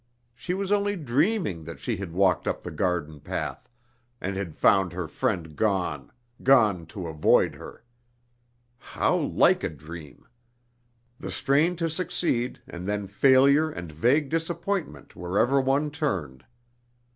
She was only dreaming that she had walked up the garden path, and had found her friend gone gone to avoid her. How like a dream! the strain to succeed, and then failure and vague disappointment wherever one turned!